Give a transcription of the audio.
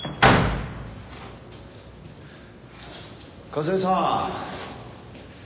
和江さん。